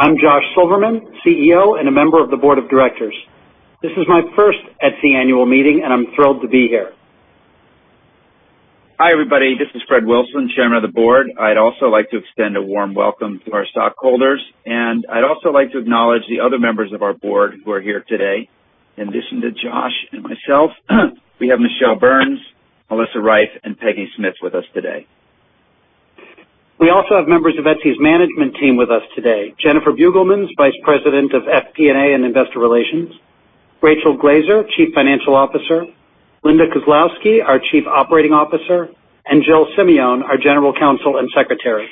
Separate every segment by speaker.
Speaker 1: I'm Josh Silverman, CEO, and a member of the board of directors. This is my first Etsy annual meeting, and I'm thrilled to be here.
Speaker 2: Hi, everybody. This is Fred Wilson, Chairman of the Board. I'd also like to extend a warm welcome to our stockholders, and I'd also like to acknowledge the other members of our board who are here today. In addition to Josh and myself, we have Michele Burns, Melissa Reiff, and Margaret Smyth with us today.
Speaker 1: We also have members of Etsy's management team with us today. Jennifer Beugelmans, Vice President of FP&A and Investor Relations. Rachel Glaser, Chief Financial Officer. Linda Kozlowski, our Chief Operating Officer, and Jill Simeone, our General Counsel and Secretary.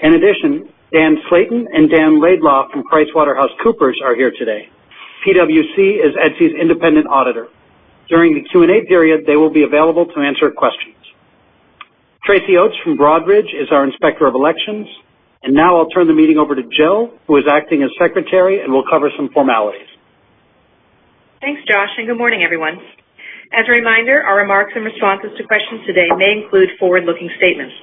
Speaker 1: In addition, Dan Slayton and Dan Laidlaw from PricewaterhouseCoopers are here today. PwC is Etsy's independent auditor. During the Q&A period, they will be available to answer questions. Tracy Oates from Broadridge is our Inspector of Elections. Now I'll turn the meeting over to Jill, who is acting as Secretary and will cover some formalities.
Speaker 3: Thanks, Josh. Good morning, everyone. As a reminder, our remarks and responses to questions today may include forward-looking statements.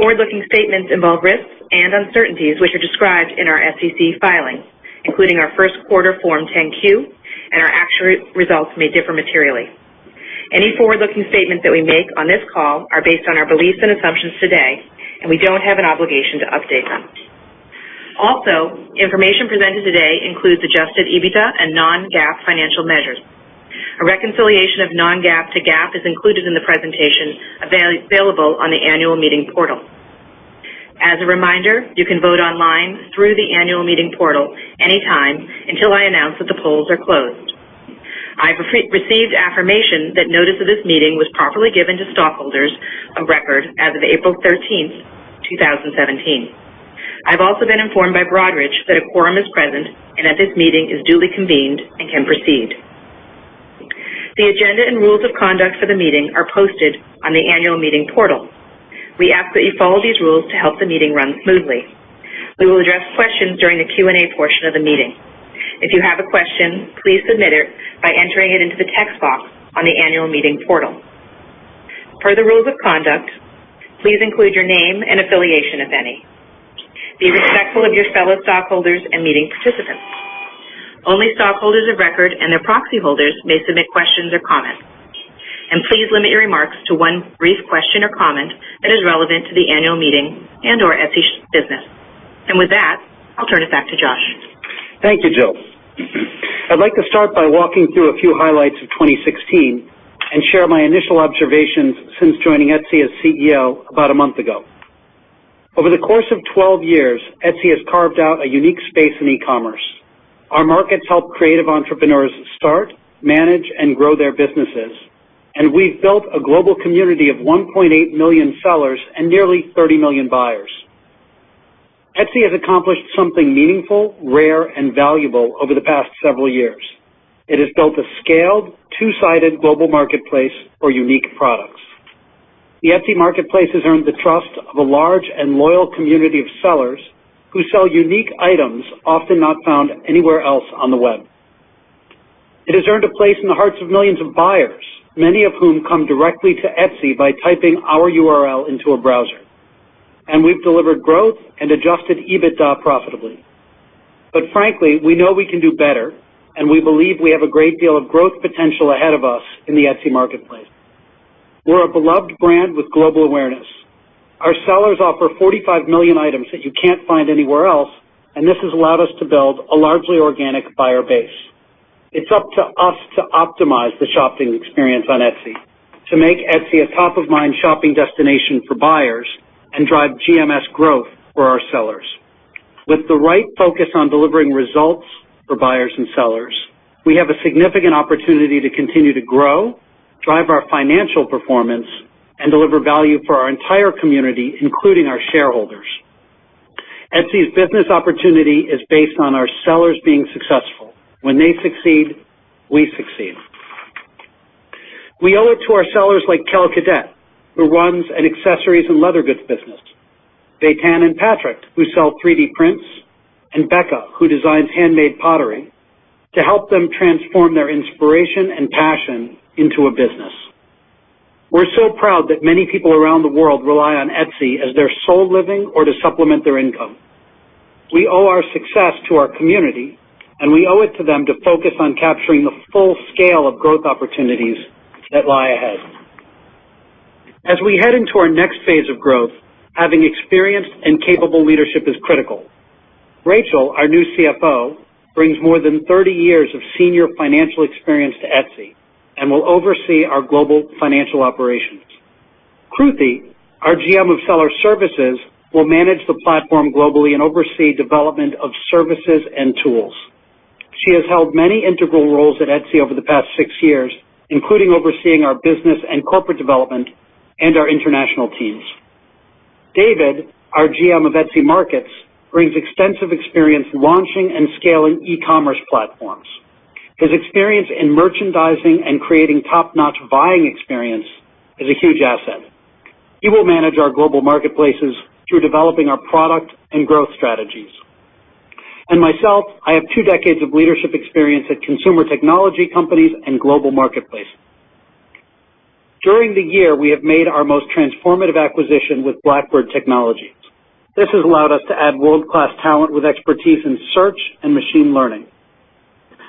Speaker 3: Forward-looking statements involve risks and uncertainties, which are described in our SEC filings, including our first quarter Form 10-Q, and our actual results may differ materially. Any forward-looking statements that we make on this call are based on our beliefs and assumptions today, and we don't have an obligation to update them. Also, information presented today includes adjusted EBITDA and non-GAAP financial measures. A reconciliation of non-GAAP to GAAP is included in the presentation available on the annual meeting portal. As a reminder, you can vote online through the annual meeting portal anytime until I announce that the polls are closed. I've received affirmation that notice of this meeting was properly given to stockholders of record as of April 13th, 2017. I've also been informed by Broadridge that a quorum is present and that this meeting is duly convened and can proceed. The agenda and rules of conduct for the meeting are posted on the annual meeting portal. We ask that you follow these rules to help the meeting run smoothly. We will address questions during the Q&A portion of the meeting. If you have a question, please submit it by entering it into the text box on the annual meeting portal. Per the rules of conduct, please include your name and affiliation, if any. Be respectful of your fellow stockholders and meeting participants. Only stockholders of record and their proxy holders may submit questions or comments. Please limit your remarks to one brief question or comment that is relevant to the annual meeting and/or Etsy business. With that, I'll turn it back to Josh.
Speaker 1: Thank you, Jill. I'd like to start by walking through a few highlights of 2016 and share my initial observations since joining Etsy as CEO about a month ago. Over the course of 12 years, Etsy has carved out a unique space in e-commerce. Our markets help creative entrepreneurs start, manage, and grow their businesses. We've built a global community of 1.8 million sellers and nearly 30 million buyers. Etsy has accomplished something meaningful, rare, and valuable over the past several years. It has built a scaled, two-sided global marketplace for unique products. The Etsy marketplace has earned the trust of a large and loyal community of sellers who sell unique items, often not found anywhere else on the web. It has earned a place in the hearts of millions of buyers, many of whom come directly to Etsy by typing our URL into a browser. We've delivered growth and adjusted EBITDA profitably. Frankly, we know we can do better. We believe we have a great deal of growth potential ahead of us in the Etsy marketplace. We're a beloved brand with global awareness. Our sellers offer 45 million items that you can't find anywhere else. This has allowed us to build a largely organic buyer base. It's up to us to optimize the shopping experience on Etsy, to make Etsy a top-of-mind shopping destination for buyers and drive GMS growth for our sellers. With the right focus on delivering results for buyers and sellers, we have a significant opportunity to continue to grow, drive our financial performance, and deliver value for our entire community, including our shareholders. Etsy's business opportunity is based on our sellers being successful. When they succeed, we succeed. We owe it to our sellers like Kel Cadet, who runs an accessories and leather goods business. Betan and Patrick, who sell 3D prints, and Becca, who designs handmade pottery, to help them transform their inspiration and passion into a business. We're so proud that many people around the world rely on Etsy as their sole living or to supplement their income. We owe our success to our community. We owe it to them to focus on capturing the full scale of growth opportunities that lie ahead. As we head into our next phase of growth, having experienced and capable leadership is critical. Rachel, our new CFO, brings more than 30 years of senior financial experience to Etsy and will oversee our global financial operations. Kruti, our GM of Seller Services, will manage the platform globally and oversee development of services and tools. She has held many integral roles at Etsy over the past six years, including overseeing our business and corporate development and our international teams. David, our GM of Etsy Markets, brings extensive experience launching and scaling e-commerce platforms. His experience in merchandising and creating top-notch buying experience is a huge asset. He will manage our global marketplaces through developing our product and growth strategies. Myself, I have two decades of leadership experience at consumer technology companies and global marketplaces. During the year, we have made our most transformative acquisition with Blackbird Technologies. This has allowed us to add world-class talent with expertise in search and machine learning.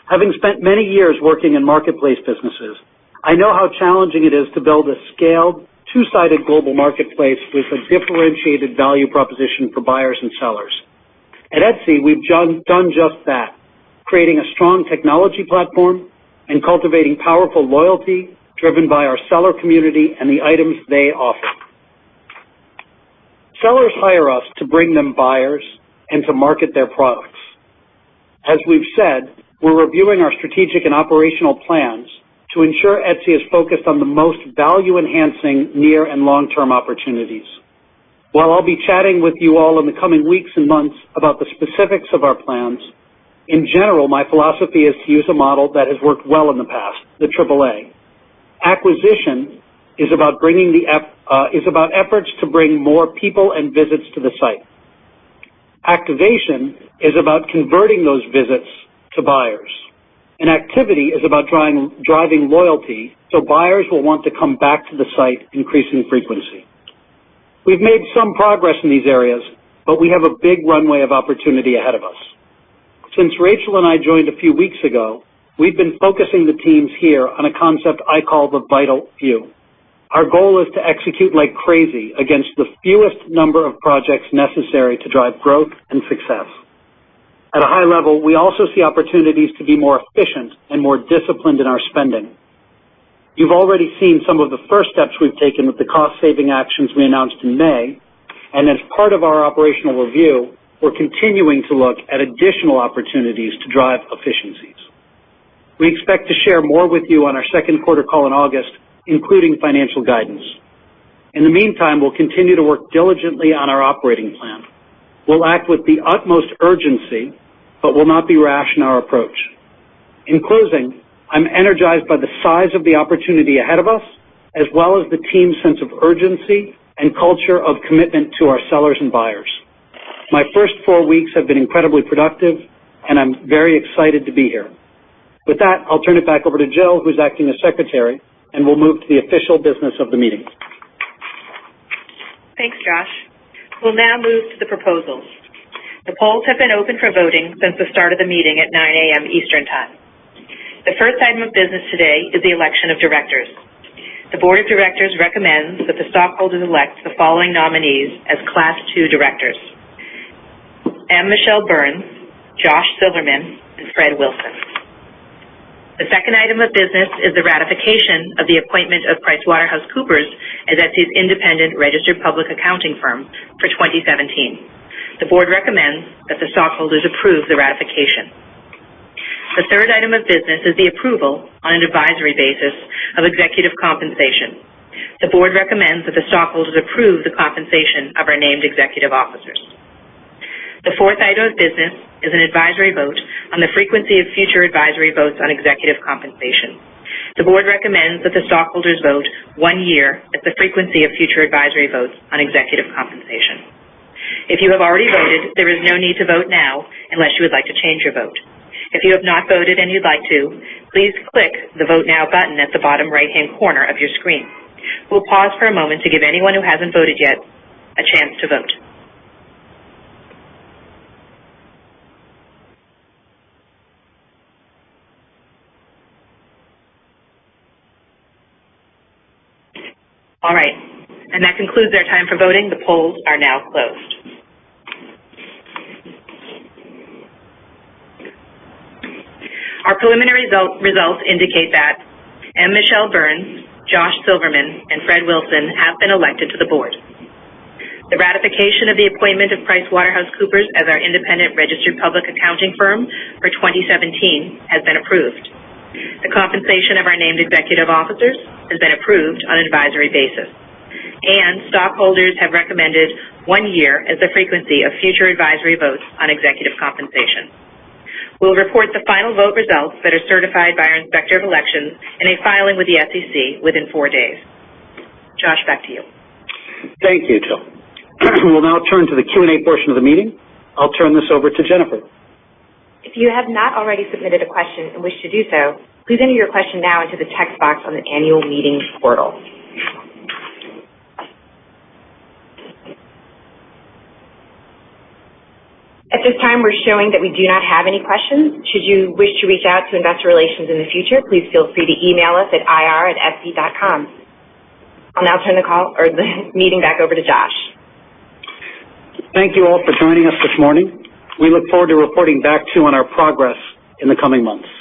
Speaker 1: Having spent many years working in marketplace businesses, I know how challenging it is to build a scaled, two-sided global marketplace with a differentiated value proposition for buyers and sellers. At Etsy, we've done just that, creating a strong technology platform and cultivating powerful loyalty driven by our seller community and the items they offer. Sellers hire us to bring them buyers and to market their products. As we've said, we're reviewing our strategic and operational plans to ensure Etsy is focused on the most value-enhancing near and long-term opportunities. While I'll be chatting with you all in the coming weeks and months about the specifics of our plans, in general, my philosophy is to use a model that has worked well in the past, the AAA. Acquisition is about efforts to bring more people and visits to the site. Activation is about converting those visits to buyers. Activity is about driving loyalty, so buyers will want to come back to the site, increasing frequency. We've made some progress in these areas, but we have a big runway of opportunity ahead of us. Since Rachel and I joined a few weeks ago, we've been focusing the teams here on a concept I call the vital few. Our goal is to execute like crazy against the fewest number of projects necessary to drive growth and success. At a high level, we also see opportunities to be more efficient and more disciplined in our spending. You've already seen some of the first steps we've taken with the cost-saving actions we announced in May. As part of our operational review, we're continuing to look at additional opportunities to drive efficiencies. We expect to share more with you on our second quarter call in August, including financial guidance. In the meantime, we'll continue to work diligently on our operating plan. We'll act with the utmost urgency, but will not be rash in our approach. In closing, I'm energized by the size of the opportunity ahead of us, as well as the team's sense of urgency and culture of commitment to our sellers and buyers. My first four weeks have been incredibly productive, and I'm very excited to be here. With that, I'll turn it back over to Jill, who's acting as secretary, and we'll move to the official business of the meeting.
Speaker 3: Thanks, Josh. We'll now move to the proposals. The polls have been open for voting since the start of the meeting at 9:00 A.M. Eastern Time. The first item of business today is the election of directors. The board of directors recommends that the stockholders elect the following nominees as Class II directors, M. Michele Burns, Josh Silverman, and Fred Wilson. The second item of business is the ratification of the appointment of PricewaterhouseCoopers as Etsy's independent registered public accounting firm for 2017. The board recommends that the stockholders approve the ratification. The third item of business is the approval, on an advisory basis, of executive compensation. The board recommends that the stockholders approve the compensation of our named executive officers. The fourth item of business is an advisory vote on the frequency of future advisory votes on executive compensation. The board recommends that the stockholders vote one year as the frequency of future advisory votes on executive compensation. If you have already voted, there is no need to vote now unless you would like to change your vote. If you have not voted and you'd like to, please click the Vote Now button at the bottom right-hand corner of your screen. We'll pause for a moment to give anyone who hasn't voted yet a chance to vote. All right. That concludes our time for voting. The polls are now closed. Our preliminary results indicate that M. Michelle Burns, Josh Silverman, and Fred Wilson have been elected to the board. The ratification of the appointment of PricewaterhouseCoopers as our independent registered public accounting firm for 2017 has been approved. The compensation of our named executive officers has been approved on an advisory basis, and stockholders have recommended one year as the frequency of future advisory votes on executive compensation. We'll report the final vote results that are certified by our Inspector of Elections in a filing with the SEC within four days. Josh, back to you.
Speaker 1: Thank you, Jill. We'll now turn to the Q&A portion of the meeting. I'll turn this over to Jennifer.
Speaker 4: If you have not already submitted a question and wish to do so, please enter your question now into the text box on the annual meetings portal. At this time, we're showing that we do not have any questions. Should you wish to reach out to investor relations in the future, please feel free to email us at ir@etsy.com. I'll now turn the meeting back over to Josh.
Speaker 1: Thank you all for joining us this morning. We look forward to reporting back, too, on our progress in the coming months.